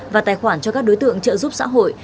và tài khoản cho các đối tượng bảo trợ xã hội